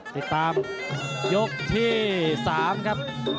ติดตามยกที่๓ครับ